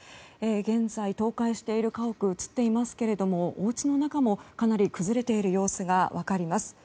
現在、倒壊している家屋映っていますけれどもおうちの中もかなり崩れている様子が分かります。